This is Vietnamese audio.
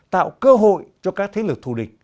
tạo cơ hội cho các thế lực thù địch